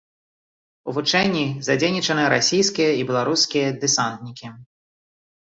У вучэнні задзейнічаны расійскія і беларускія дэсантнікі.